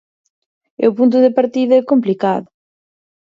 E o punto de partida é complicado.